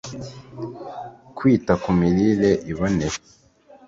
kwita ku mirire iboneye